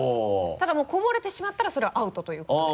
ただこぼれてしまったらそれはアウトということで。